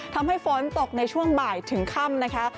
ทำให้ฝนตกในช่วงบ่ายถึงค่ำนะคะ